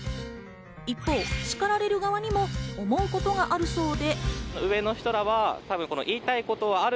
一方、叱られる側にも思うことがあるそうで。